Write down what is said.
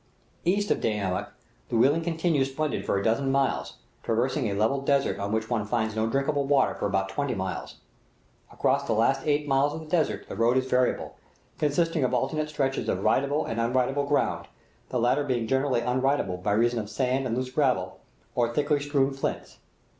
East of Deh Namek, the wheeling continues splendid for a dozen miles, traversing a level desert on which one finds no drinkable water for about twenty miles. Across the last eight miles of the desert the road is variable, consisting of alternate stretches of ridable and unridable ground, the latter being generally unridable by reason of sand and loose gravel, or thickly strewn flints.